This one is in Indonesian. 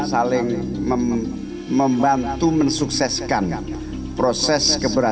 saling membantu mensukseskan proses keberadaan